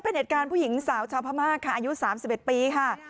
เป็นเหตุการณ์ผู้หญิงสาวชาวพม่าค่ะอายุ๓๑ปีค่ะ